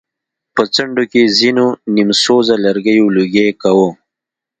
په څنډو کې يې ځېنو نيم سوزه لرګيو لوګی کوه.